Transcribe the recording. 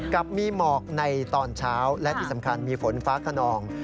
กับมีหมอกในตอนเช้าและที่สำคัญมีฝนฟ้าขนอง